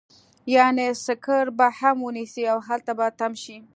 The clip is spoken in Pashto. يعنې سکر به هم ونيسي او هلته به تم شي.